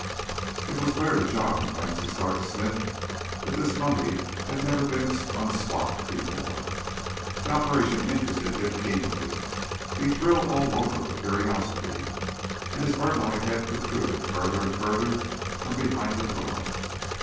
It was clear to John Vansittart Smith that this mummy had never been unswathed before. The operation interested him keenly. He thrilled all over with curiosity, and his birdlike head protruded further and further from behind the door.